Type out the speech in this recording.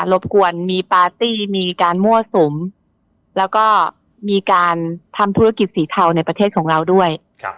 บกวนมีปาร์ตี้มีการมั่วสุมแล้วก็มีการทำธุรกิจสีเทาในประเทศของเราด้วย